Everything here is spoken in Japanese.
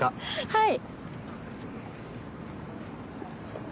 はい。